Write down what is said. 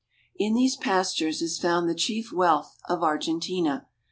In these pastures is found the chief wealth of Argen tina.